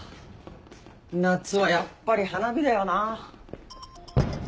夏はやっぱり花火だよなぁ。